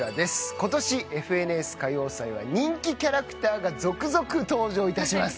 ことし『ＦＮＳ歌謡祭』は人気キャラクターが続々登場いたします。